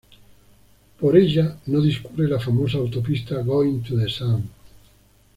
Por ella no discurre la famosa autopista Going-to-the-Sun.